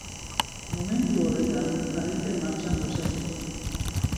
Momentu horretan jarri zen martxan prozesua.